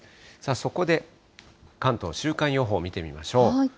そこで関東、週間予報見てみましょう。